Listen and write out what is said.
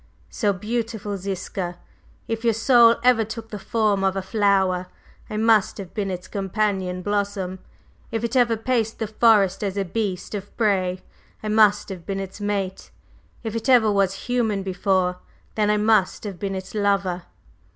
So, beautiful Ziska, if your soul ever took the form of a flower, I must have been its companion blossom; if it ever paced the forest as a beast of prey, I must have been its mate; if it ever was human before, then I must have been its lover!